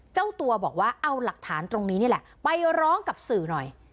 เจ้าตัวบอกว่าเอาหลักฐานตรงนี้นี่แหละไปร้องกับสื่อหน่อย